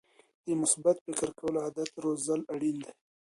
د مثبت فکر کولو عادت روزل اړین دي.